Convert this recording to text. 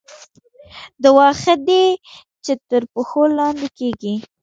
دا واښه دي چې تر پښو لاندې کېږي.